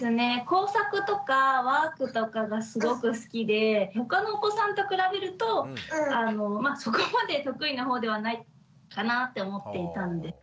工作とかワークとかがすごく好きでほかのお子さんと比べるとそこまで得意な方ではないかなって思っていたんで。